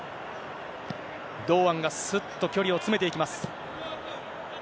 堂安がすっと距離を詰めていきます。